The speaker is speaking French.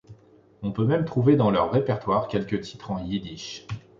On peut même trouver dans leur répertoire quelques titres en yiddish.